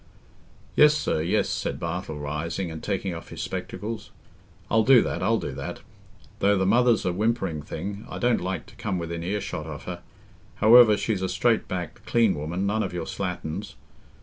"Yes, sir, yes," said Bartle, rising, and taking off his spectacles, "I'll do that, I'll do that; though the mother's a whimpering thing—I don't like to come within earshot of her; however, she's a straight backed, clean woman, none of your slatterns.